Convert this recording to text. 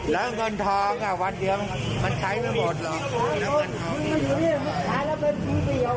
แล้วเงินทองวันเดียวมันใช้ไม่หมดหรอก